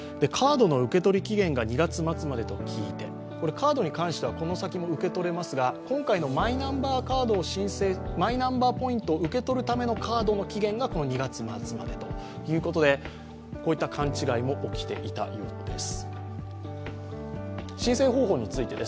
カードに関してはこの先も受け取れますが今回のマイナンバーポイントを受け取るためのカードの期限が２月末までということでこういった勘違いも起きていたようです。